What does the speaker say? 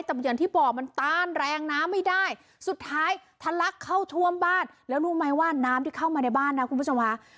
แต่อย่างที่บอกมันต้านแรงน้ำไม่ได้สุดท้ายทะลักเข้าท่วมบ้านแล้วรู้ไหมว่าน้ำที่เข้ามาในบ้านนะคุณผู้ชมค่ะ